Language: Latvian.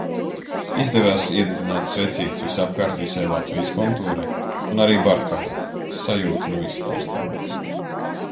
Izdevās iededzināt svecītes visapkārt visai Latvijas kontūrai. Un arī Barkavai. Sajūta nav izstāstāma.